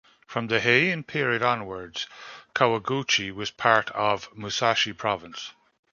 From the Heian period onwards, Kawaguchi was part of Musashi Province.